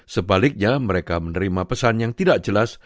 sebaliknya mereka menerima pesan yang tidak jelas